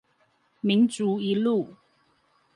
民族一路